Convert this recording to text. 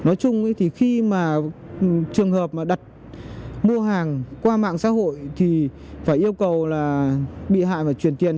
nói chung thì khi mà trường hợp mà đặt mua hàng qua mạng xã hội thì phải yêu cầu là bị hại phải chuyển tiền